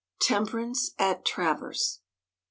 TEMPERANCE AT TRAVERSE.